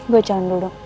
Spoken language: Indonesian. gue jalan dulu dok